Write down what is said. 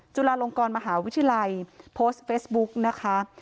จุฬาลงกรมหาวิทยาลัยโพสต์เฟซบุ๊กนะคะ